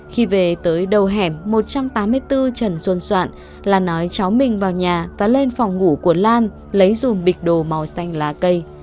khi về tới đầu hẻm một trăm tám mươi bốn trần xuân soạn là nói cháu mình vào nhà và lên phòng ngủ của lan lấy dùm bịch đồ màu xanh lá cây